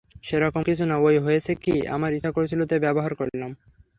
সেরকম কিছু না ঐ হয়েছে কী, আমার ইচ্ছা করছিল, তাই ব্যবহার করলাম।